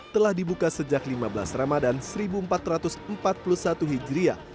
telah dibuka sejak lima belas ramadan seribu empat ratus empat puluh satu hijriah